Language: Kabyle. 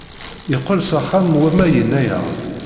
Yeqqel s axxam war ma yenna-aɣ-d.